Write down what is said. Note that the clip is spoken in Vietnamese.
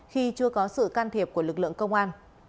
khi chưa có sự can thiệp của lực lượng công an